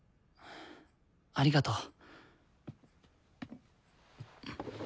ありがとう。